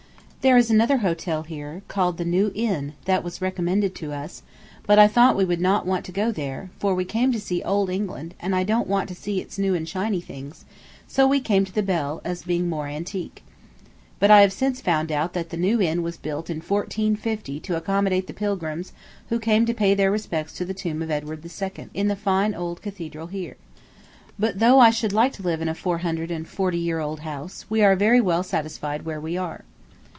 There is another hotel here, called the New Inn, that was recommended to us, but I thought we would not want to go there, for we came to see old England, and I don't want to see its new and shiny things, so we came to the Bell, as being more antique. But I have since found out that the New Inn was built in 1450 to accommodate the pilgrims who came to pay their respects to the tomb of Edward II. in the fine old cathedral here. But though I should like to live in a four hundred and forty year old house, we are very well satisfied where we are.